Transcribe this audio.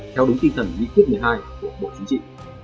theo đúng tinh thần lý thuyết một mươi hai của bộ chính trị